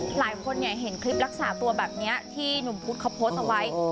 หลายคนเห็นคลิปรักษาตัวแบบนี้ที่หนุ่มพุธเขาโพสต์เอาไว้